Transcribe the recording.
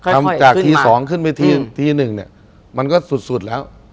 ทำจากที๒ขึ้นไปที๑มันก็สุดแล้ว